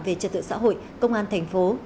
về trật tựa xã hội công an thành phố